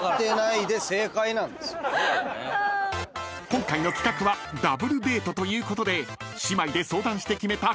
［今回の企画はダブルデートということで姉妹で相談して決めた］